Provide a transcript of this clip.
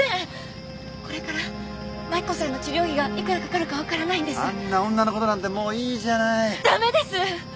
これから真紀子さんの治療費がいくらかかるか分からないんですあんな女のことなんてもういいじゃなダメです！